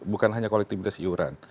bukan hanya kolektivitas iuran